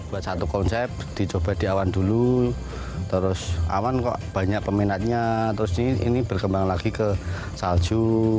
buat satu konsep dicoba di awan dulu terus awan kok banyak peminatnya terus ini berkembang lagi ke salju